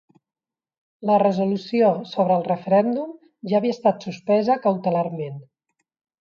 La resolució sobre el referèndum ja havia estat suspesa cautelarment.